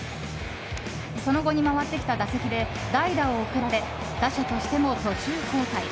その後に回ってきた打席で代打を送られ打者としても途中交代。